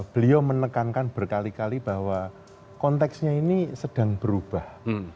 beliau menekankan berkali kali bahwa konteksnya ini sedang berubah